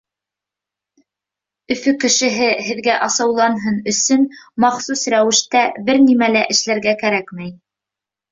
Өфө кешеһе һеҙгә асыуланһын өсөн махсус рәүештә бер нимә лә эшләргә кәрәкмәй.